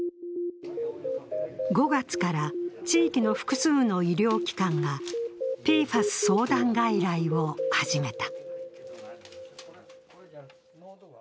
５月から地域の複数の医療機関がＰＦＡＳ相談外来を始めた。